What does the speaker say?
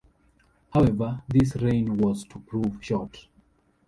However his reign was to prove short.